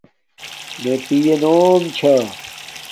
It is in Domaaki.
مݺ پِیئݺ نݸم ـــــ چھݳ.